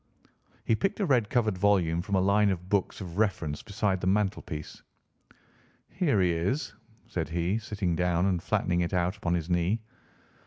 He picked a red covered volume from a line of books of reference beside the mantelpiece. "Here he is," said he, sitting down and flattening it out upon his knee.